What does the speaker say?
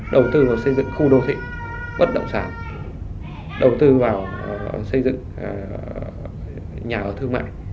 đầu tư vào xây dựng khu đô thị bất động sản đầu tư vào xây dựng nhà ở thương mại